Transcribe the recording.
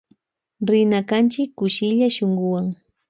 Rimana kanchi kushilla shunkuwan.